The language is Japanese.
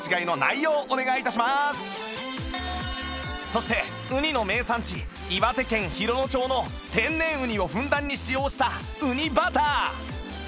そしてウニの名産地岩手県洋野町の天然ウニをふんだんに使用したうにバター